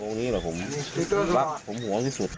องค์นี้แหละผมปะผมหวังที่สุด